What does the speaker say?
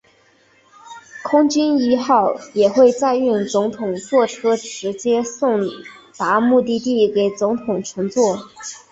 空军一号也会载运总统座车直接送达目的地给总统乘坐。